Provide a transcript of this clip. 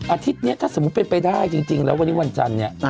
อาทิตย์นี้ถ้าสมมุติเป็นไปได้จริงแล้ววันนี้วันจันทร์เนี่ย